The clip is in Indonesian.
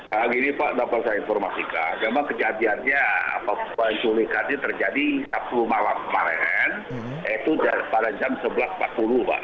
nah gini pak dapat saya informasikan kejadiannya penculikan terjadi sepuluh malam kemarin itu pada jam sebelas empat puluh pak